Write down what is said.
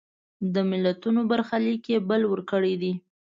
د ملتونو برخلیک یې بل وړ کړی دی.